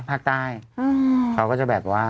ฝน๘ดาษ๔เนอะทางใต้